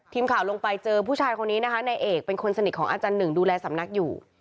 ทีมข่าวลงไปเจอผู้ชายคนนี้นะคะนายเอกเป็นคนสนิทของอาจารย์หนึ่งดูแลสำนักอยู่